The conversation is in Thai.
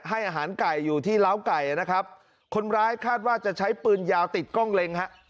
ให้อาหารไก่อยู่ที่ล้าวไก่นะครับคนร้ายคาดว่าจะใช้ปืนยาวติดกล้องเล็งฮะ